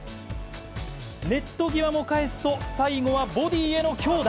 ネット際も返すと、最後はボディへの強打。